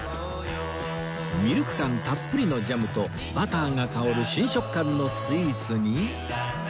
ミルク感たっぷりのジャムとバターが香る新食感のスイーツに